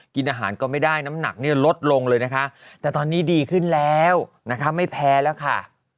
กินอาหารก็ไม่ได้น้ำหนักเนี่ยลดลงเลยนะคะแต่ตอนนี้ดีขึ้นแล้วนะคะไม่แพ้แล้วค่ะ